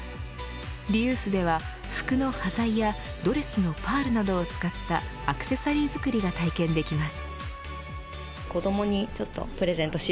ＲＥＵＳＥでは服の端材やドレスのパールなどを使ったアクセサリー作りが体験できます。